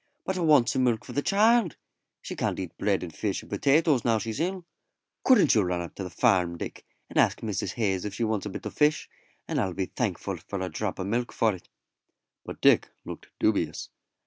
"But I want some milk for the child; she can't eat bread and fish and potatoes now she's ill. Couldn't you run up to the farm, Dick, and ask Mrs. Hayes if she wants a bit o' fish, and I'll be thankful for a drop o' milk for it." But Dick looked dubious.